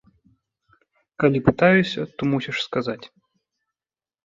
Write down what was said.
Калі пытаюся, то мусіш сказаць.